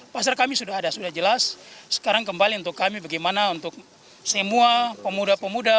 pasar kami sudah ada sudah jelas sekarang kembali untuk kami bagaimana untuk semua pemuda pemuda